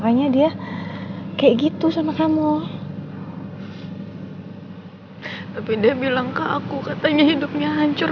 aku salah apa pa